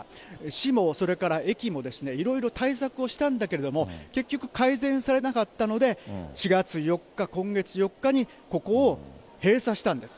市も、それから駅もいろいろ対策をしたんだけれども、結局改善されなかったので、４月４日、今月４日に、ここを閉鎖したんです。